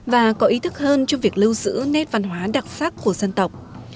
và có ý thức hơn trong việc lưu giữ nét văn hóa đặc sắc của dân tộc